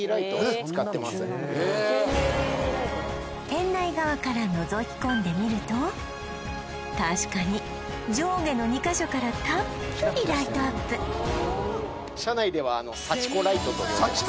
店内側からのぞき込んでみると確かに上下の２カ所からたっぷりライトアップ社内では幸子ライトと呼んでます